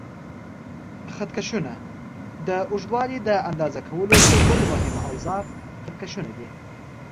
خط کشونه: د اوږدوالي د اندازه کولو یو بل مهم اوزار خط کشونه دي.